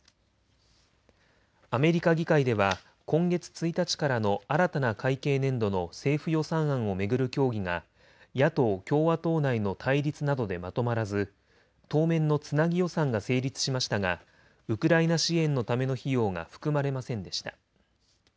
アメリカ議会では今月１日からの新たな会計年度の政府予算案を巡る協議が野党・共和党内の対立などでまとまらず当面のつなぎ予算が成立しましたがウクライナ支援のための費用が含まれませんでした。